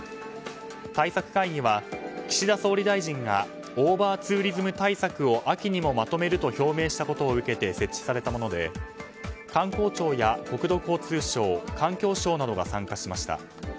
対策会議は岸田総理大臣がオーバーツーリズム対策を秋にもまとめると表明したことを受けて設置されたもので観光庁や国土交通省環境省などが参加しました。